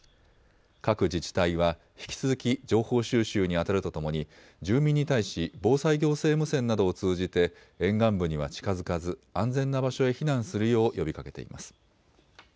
各自治体は引き続き情報収集にあたるとともに住民に対し防災行政無線などを通じて沿岸部には近づかず安全な場所へ避難するよう呼びかけています。